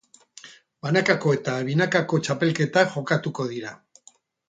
Banakako eta binakako txapelketak jokatuko dira.